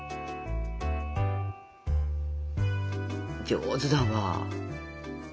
上手だわ！